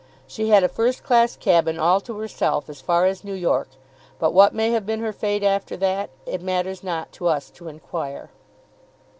She had a first class cabin all to herself as far as New York, but what may have been her fate after that it matters not to us to enquire.